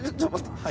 はい。